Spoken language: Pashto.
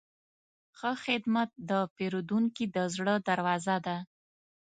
ښه خدمت د پیرودونکي د زړه دروازه ده.